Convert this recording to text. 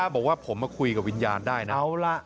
บอกว่าผมมาคุยกับวิญญาณได้นะ